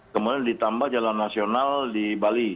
kemudian ditambah jalan nasional di bali